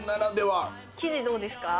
生地どうですか？